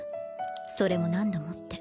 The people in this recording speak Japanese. それも何度もって。